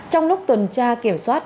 trong lúc tuần tra kiểm soát